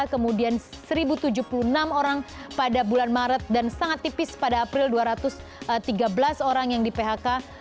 kemudian satu tujuh puluh enam orang pada bulan maret dan sangat tipis pada april dua ratus tiga belas orang yang di phk